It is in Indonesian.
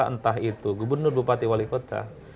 entah itu gubernur bupati wali kota